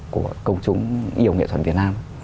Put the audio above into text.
của công chúng yêu nghệ thuật việt nam